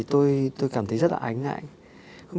mà tôi cảm thấy nó đong đầy như thế này